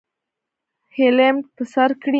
هیلمټ په سر کړئ